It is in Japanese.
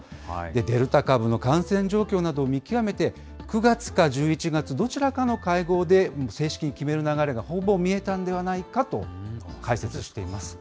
デルタ株の感染状況などを見極めて、９月か１１月、どちらかの会合で正式に決める流れがほぼ見えたんではないかと解説しています。